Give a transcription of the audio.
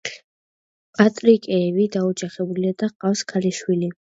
პატრიკეევი დაოჯახებულია და ჰყავს ქალიშვილი.